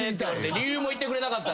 理由も言ってくれなかったら。